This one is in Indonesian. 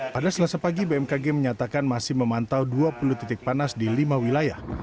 pada selasa pagi bmkg menyatakan masih memantau dua puluh titik panas di lima wilayah